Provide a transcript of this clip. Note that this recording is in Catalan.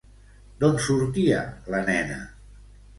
D'on sortia la nena?